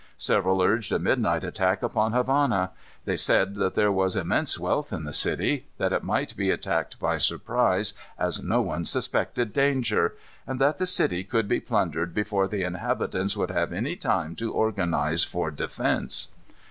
Several urged a midnight attack upon Havana. They said that there was immense wealth in the city, that it might be attacked by surprise, as no one suspected danger; and that the city could be plundered before the inhabitants would have any time to organize for defence.